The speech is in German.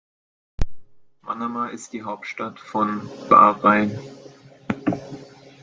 Manama ist die Hauptstadt von Bahrain.